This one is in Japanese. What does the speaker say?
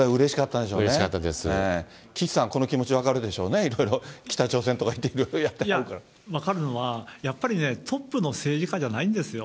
岸さん、この気持ち分かるでしょうね、いろいろ北朝鮮とか行っいや、分かるのは、やっぱりね、トップの政治家じゃないんですよ。